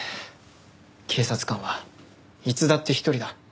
警察官はいつだって一人だ。